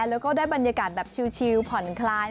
แล้วก็ได้บรรยากาศแบบชิลผ่อนคลาย